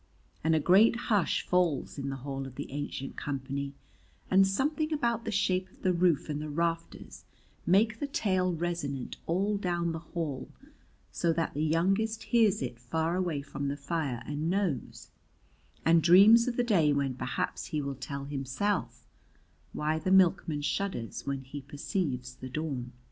And a great hush falls in the Hall of the Ancient Company, and something about the shape of the roof and the rafters makes the tale resonant all down the hall so that the youngest hears it far away from the fire and knows, and dreams of the day when perhaps he will tell himself why the milkman shudders when he perceives the dawn.